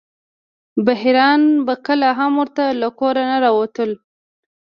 بحیرا به کله هم ورته له کوره نه راوتلو.